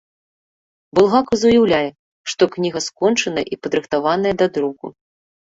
Булгакаў заяўляе, што кніга скончаная і падрыхтаваная да друку.